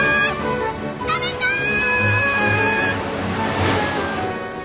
食べたい！